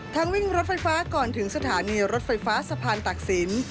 วิ่งรถไฟฟ้าก่อนถึงสถานีรถไฟฟ้าสะพานตากศิลป